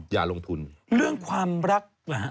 อย่าลงทุนเรื่องความรักนะฮะ